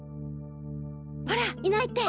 ほらいないって。